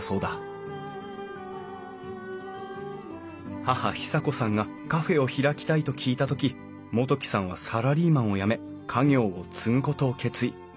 義母啓紗子さんがカフェを開きたいと聞いた時元規さんはサラリーマンを辞め家業を継ぐことを決意。